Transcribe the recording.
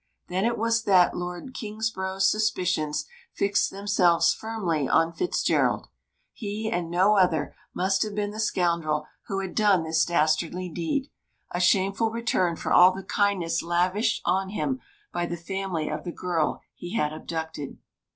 Then it was that Lord Kingsborough's suspicions fixed themselves firmly on Fitzgerald. He and no other must have been the scoundrel who had done this dastardly deed a shameful return for all the kindness lavished on him by the family of the girl he had abducted.